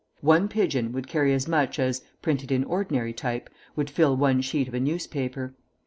One pigeon would carry as much as, printed in ordinary type, would fill one sheet of a newspaper.